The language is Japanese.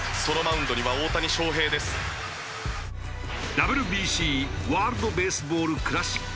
ＷＢＣワールド・ベースボール・クラシック。